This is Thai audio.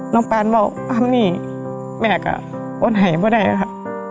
น้องแป๊นบอกพร้อมนี่แม่ก็อดไหวไม่ได้ค่ะ